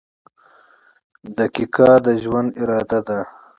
• دقیقه د ژوند اراده ده.